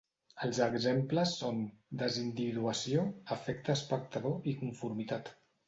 Els exemples són: desindividuació, efecte espectador i conformitat.